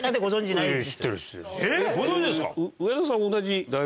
えっ⁉ご存じですか